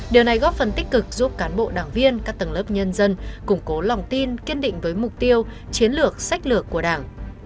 điều này góp phần tích cực giúp cán bộ đảng viên các tầng lớp nhân dân củng cố lòng tin kiên định với mục tiêu chiến lược sách lược của đảng